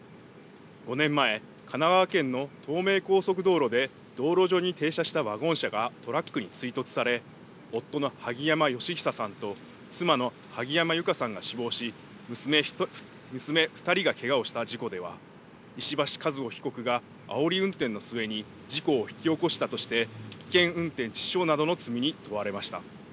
５年前、神奈川県の東名高速道路で道路上に停車したワゴン車がトラックに追突され夫の萩山嘉久さんと妻の萩山友香さんが死亡し娘２人がけがをした事故では石橋和歩被告があおり運転の末に事故を引き起こしたとして危険運転致死傷などの罪に問われました。